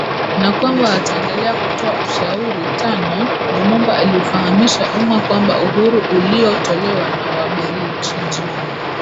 na kwamba wataendelea kutoa ushauri Tano Lumumba aliufahamisha umma kwamba uhuru uliotolewa na Wabeljiji